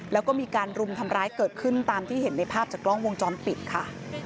แล้วก็มีการรุมทำร้ายเกิดขึ้นตามที่เห็นในภาพจากกล้องวงจรปิดค่ะ